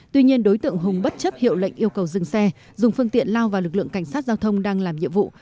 tuy nhiên đối tượng hùng bất chấp hiệu lệnh yêu cầu dừng xe dùng phương tiện lao vào lực lượng cảnh sát giao thông đang làm nhiệm vụ